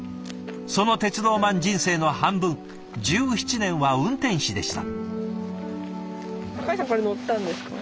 その鉄道マン人生の半分１７年は運転士でした。